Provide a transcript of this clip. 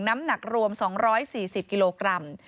น้ำหนักรวม๒๔๐กิโลกรัม